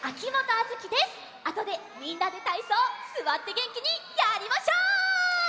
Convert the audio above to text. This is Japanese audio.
あとでみんなでたいそうすわってげんきにやりましょう！